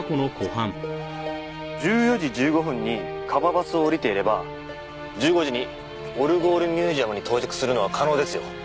１４時１５分にＫＡＢＡバスを降りていれば１５時にオルゴールミュージアムに到着するのは可能ですよ。